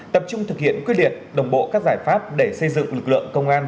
tập trung thực hiện quy định đồng bộ các giải pháp để xây dựng lực lượng công an